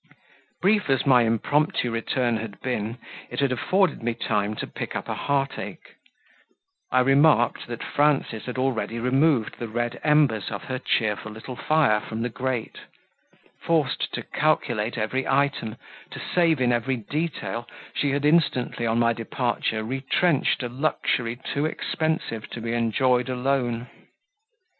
Brief as my impromptu return had been, it had afforded me time to pick up a heart ache; I remarked that Frances had already removed the red embers of her cheerful little fire from the grate: forced to calculate every item, to save in every detail, she had instantly on my departure retrenched a luxury too expensive to be enjoyed alone.